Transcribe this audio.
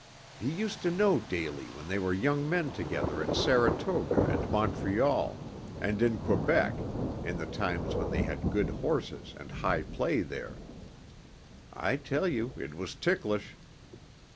"He used to know Daly when they were young men together at Saratoga and Montreal, and in Quebec, in the times when they had good horses and high play there. I tell you it was ticklish.